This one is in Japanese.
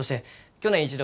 去年一度？